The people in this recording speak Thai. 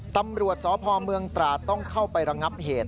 ตำรวจสพเมืองตราดต้องเข้าไประงับเหตุ